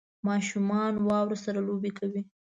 ماشومان واورو سره لوبې کوي